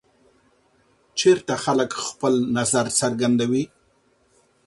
چېرته خلک خپل نظر څرګندوي؟